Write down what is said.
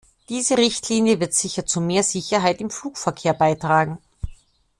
Diese Richtlinie wird sicher zu mehr Sicherheit im Flugverkehr beitragen.